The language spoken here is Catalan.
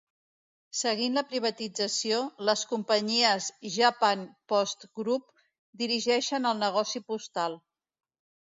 Seguint la privatització, les companyies Japan Post Group dirigeixen el negoci postal.